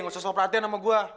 gak usah suka perhatian sama gue